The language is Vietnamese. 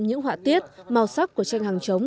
những họa tiết màu sắc của tranh hàng chống